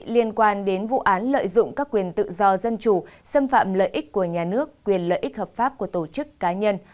liên quan đến vụ án lợi dụng các quyền tự do dân chủ xâm phạm lợi ích của nhà nước quyền lợi ích hợp pháp của tổ chức cá nhân